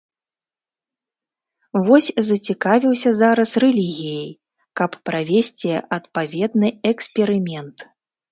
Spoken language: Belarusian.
Вось зацікавіўся зараз рэлігіяй, каб правесці адпаведны эксперымент.